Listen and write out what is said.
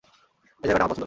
এই জায়গাটা আমার পছন্দ না।